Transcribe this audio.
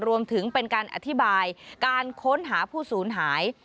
รวมถึงเป็นการอธิบายการค้นหาผู้สูญหาย